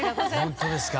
本当ですか？